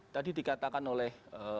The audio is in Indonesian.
tadi dikatakan oleh